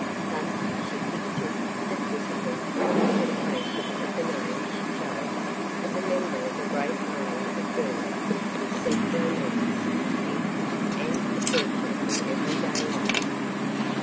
Thus she pictured the physical representation of the name she chose as a member of the great army of girls who seek romance, beauty, and adventure in every day life.